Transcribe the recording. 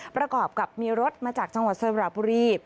ประกอบกับมีรถมาจากจังหวัดสระบุรี